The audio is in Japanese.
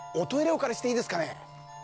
お借りしていいですかね